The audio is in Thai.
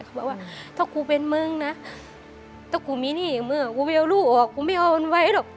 เขาบอกว่าถ้ากูเป็นมึงนะถ้ากูมีหนี้อย่างมึงกูไม่เอาลูกออกกูไม่เอามันไว้หรอก